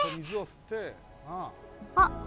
あっ。